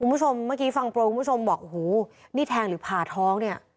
คุณผู้ชมเมื่อกี้ฟังโปรยคุณผู้ชมบอกโอ้โหนี่แทงหรือผ่าท้องเนี่ย